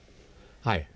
はい。